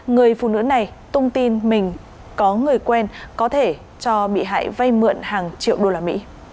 người phụ nữ này tung tin mình có người quen có thể cho bị hại vay mượn hàng triệu usd